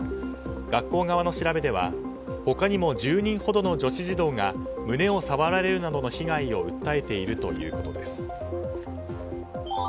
学校側の調べでは、他にも１０人ほどの女子児童が胸を触られるなどの被害を訴えているということです。